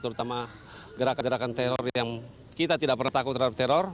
terutama gerakan gerakan teror yang kita tidak pernah takut terhadap teror